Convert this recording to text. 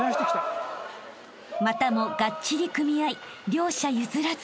［またもがっちり組み合い両者譲らず］